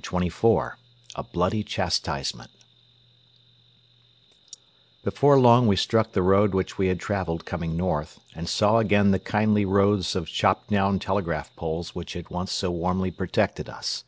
CHAPTER XXIV A BLOODY CHASTISEMENT Before long we struck the road which we had travelled coming north and saw again the kindly rows of chopped down telegraph poles which had once so warmly protected us.